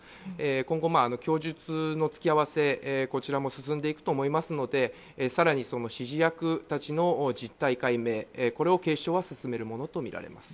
今後、供述の突き合わせも進んでいくと思いますので更にその指示役たちの実態解明を警視庁は進めるものとみられます。